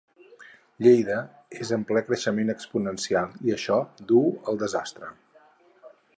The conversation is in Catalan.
Lleida és en ple creixement exponencial i això duu al desastre